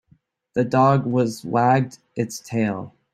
The dog was wagged its tail.